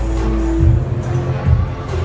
สโลแมคริปราบาล